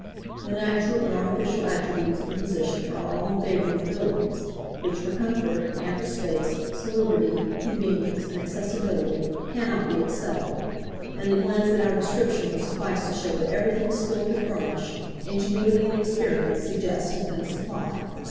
The natural and artificial attributes of the position are all in favor of the buildings, which for comfort, ample space, salubrity, convenience, and accessibility cannot be excelled, and a glance at our description will suffice to show that everything skill could furnish, ingenuity and experience suggest has been supplied.